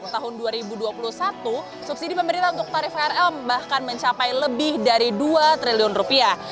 tahun dua ribu dua puluh satu subsidi pemerintah untuk tarif krl bahkan mencapai lebih dari dua triliun rupiah